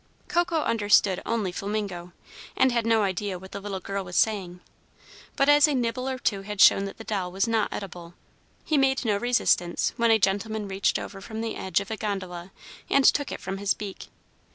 Coco understood only Flamingo, and had no idea what the little girl was saying; but as a nibble or two had showed that the doll was not edible, he made no resistance when a gentleman reached over from the edge of a gondola and took it from his beak.